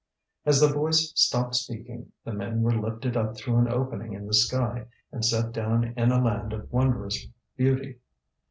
As the voice stopped speaking, the men were lifted up through an opening in the sky and set down in a land of wondrous beauty.